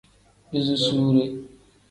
Duzusuure.